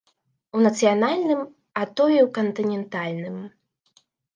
У нацыянальным, а то і ў кантынентальным.